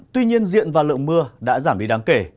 tuy nhiên diện và lượng mưa đã giảm đi đáng kể